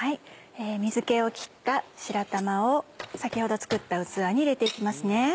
水気を切った白玉を先ほど作った器に入れて行きます。